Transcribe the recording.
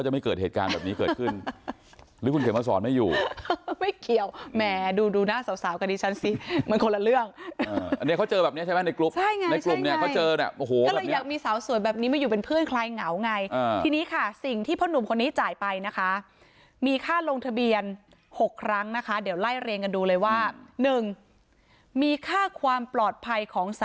ไม่เกิดเหตุการณ์แบบนี้เกิดขึ้นหรือคุณเขียนมาสอนไม่อยู่ไม่เกี่ยวแหมดูดูหน้าสาวกับดิฉันสิมันคนละเรื่องอันนี้เขาเจอแบบนี้ใช่ไหมในกรุ๊ปใช่ไงในกลุ่มเนี่ยเขาเจอเนี่ยโอ้โหก็เลยอยากมีสาวสวยแบบนี้มาอยู่เป็นเพื่อนใครเหงาไงทีนี้ค่ะสิ่งที่พ่อหนุ่มคนนี้จ่ายไปนะคะมีค่าลงทะเบียน๖ครั้งนะคะเดี๋ยวไล่เรียงกันดูเลยว่า๑มีค่าความปลอดภัยของส